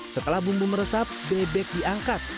setelah bumbu meresap bebek diangkat